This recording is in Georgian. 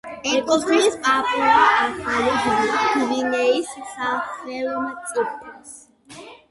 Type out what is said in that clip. ეკუთვნის პაპუა-ახალი გვინეის სახელმწიფოს.